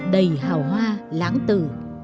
đầy hào hoa láng tử